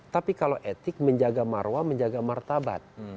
tapi kalau etik menjaga marwah menjaga martabat